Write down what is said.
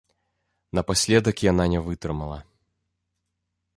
Напаследак яна не вытрымала.